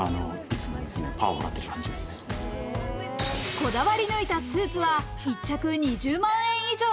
こだわり抜いたスーツは１着２０万円以上。